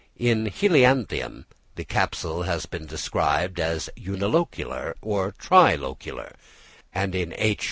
In Helianthemum the capsule has been described as unilocular or tri locular; and in H.